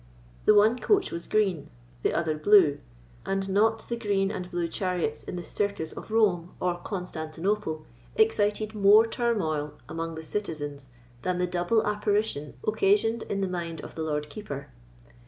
The one coach was green, the other blue; and not the green and blue chariots in the circus of Rome or Constantinople excited more turmoil among the citizens than the double apparition occasioned in the mind of the Lord Keeper.